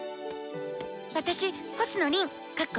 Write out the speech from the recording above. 私星野凛